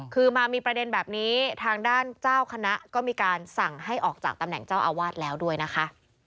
คือมามีประเด็นแบบนี้ทางด้านเจ้าคณะก็มีการสั่งให้ออกจากตำแหน่งเจ้าอาวาสแล้วด้วยนะคะ